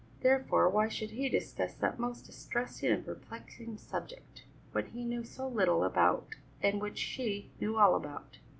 Therefore, why should he discuss that most distressing and perplexing subject, which he knew so little about and which she knew all about.